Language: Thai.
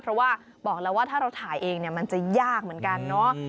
เพราะว่าบอกแล้วว่าถ้าเราถ่ายเองเนี่ยมันจะยากเหมือนกันเนาะ